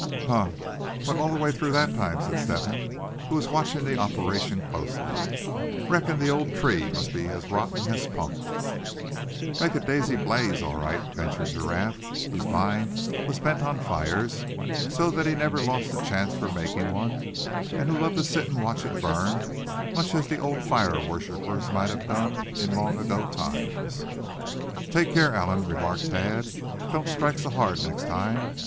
"Huh! went all the way through, that time," said Step hen, who was watching the operation closely; "reckon the old tree must be as rotten as punk." "Make a dandy blaze, all right," ventured Giraffe, whose mind was bent on fires, so that he never lost a chance for making one; and who loved to sit and watch it burn, much as the old fire worshippers might have done in long ago times. "Take care, Allan," remarked Thad; "don't strike so hard next time.